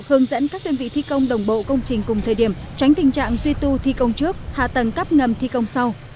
hướng dẫn các đơn vị thi công đồng bộ công trình cùng thời điểm tránh tình trạng duy tu thi công trước hạ tầng cắp ngầm thi công sau